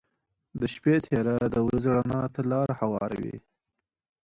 • د شپې تیاره د ورځې رڼا ته لاره هواروي.